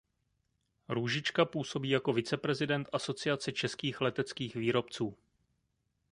Růžička působí jako viceprezident Asociace českých leteckých výrobců.